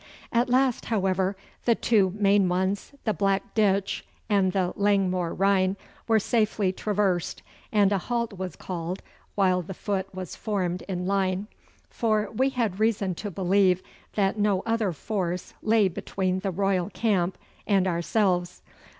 At last, however, the two main ones, the Black Ditch and the Langmoor Rhine, were safely traversed and a halt was called while the foot was formed in line, for we had reason to believe that no other force lay between the Royal camp and ourselves.